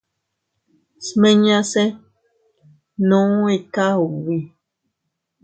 Smiñase nuu ika ubi.